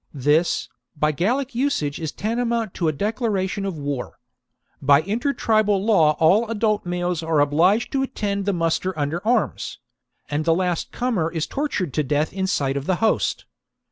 This, by Gallic usag^ is tantamount to a declara tion of war. By intertribal law all adult males are obliged to attend the muster under arms ; and the last comer is tortured to death in sight of the host.